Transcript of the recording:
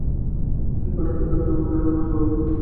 এই খটকার কারণে আমার ধারণা হচ্ছে গল্পটা বানানো।